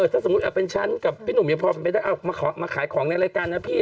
ถ้าสมมุติเป็นฉันกับพี่หนุ่มยังพอได้เอามาขายของในรายการนะพี่